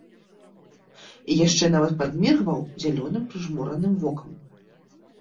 І яшчэ нават падміргваў зялёным прыжмураным вокам.